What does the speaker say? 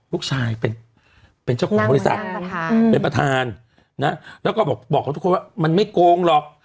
ลูกชายเป็นเจ้าของบริษัทเป็นประธานนะแล้วก็บอกกับทุกคนว่ามันไม่โกงหรอก